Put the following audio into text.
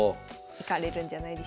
行かれるんじゃないでしょうか。